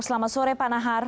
selamat sore pak nahar